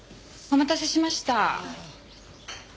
お待たせしました。